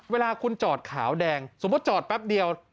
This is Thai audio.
เวลาคุณจอดขาวแดงสมมุติจอดแป๊บเดียว